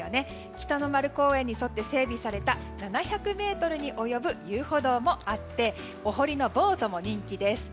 キタノマル公園に沿って整備された７００ｍに及ぶ遊歩道もあってお堀のボートも人気です。